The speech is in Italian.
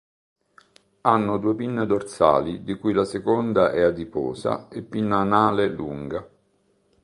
Hanno due pinne dorsali di cui la seconda è adiposa e pinna anale lunga.